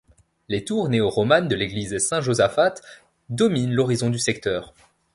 Les tours néo-romanes de l'église Saint-Josaphat dominent l'horizon du secteur.